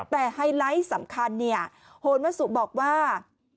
แต่ไฮไลท์สำคัญโฮนวัสสุบอกว่า